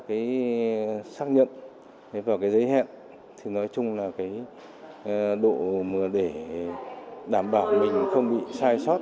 cái xác nhận cái vào cái giấy hẹn thì nói chung là cái độ để đảm bảo mình không bị sai sót